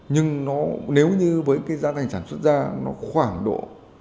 nhưng nếu như với giá thành sản xuất ra nó khoảng độ một mươi năm